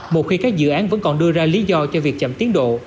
một khi các dự án vẫn còn đưa ra lý do cho việc chậm tiến độ